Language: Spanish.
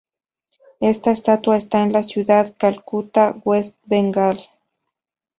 Esta estatua está en la ciudad de Calcuta, West Bengal.